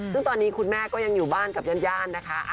ซึ่งตอนนี้คุณแม่ก็ยังอยู่บ้านกับญาตินะคะ